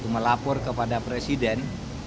melapor kepada presiden